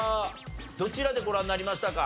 どちらでご覧になりましたか？